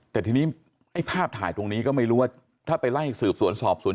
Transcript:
แต่ทีนี้ไอ้ภาพถ่ายตรงนี้ก็ไม่รู้ว่าถ้าไปไล่สืบสวนสอบสวน